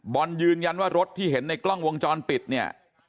ยืนยันว่ารถที่เห็นในกล้องวงจรปิดเนี่ย